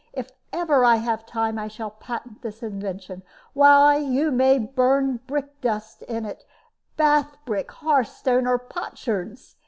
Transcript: If I ever have time I shall patent this invention; why, you may burn brick dust in it, Bath brick, hearth stone, or potsherds!